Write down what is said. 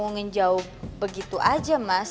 ngejauh begitu aja mas